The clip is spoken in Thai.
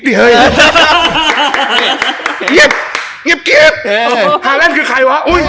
ไทลันคือใครวะ